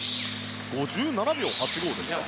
５７秒８５ですか。